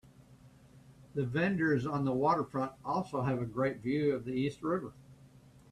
The vendors on the waterfront also have a great view of the East River.